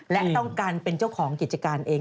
และต้องการเป็นเจ้าของกิจการเอง